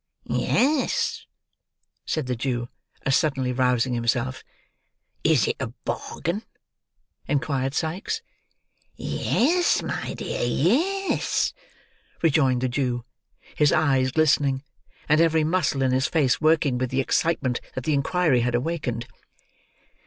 "Yes," said the Jew, as suddenly rousing himself. "Is it a bargain?" inquired Sikes. "Yes, my dear, yes," rejoined the Jew; his eyes glistening, and every muscle in his face working, with the excitement that the inquiry had awakened.